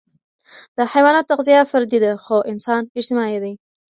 د حيواناتو تغذیه فردي ده، خو انسان اجتماعي دی.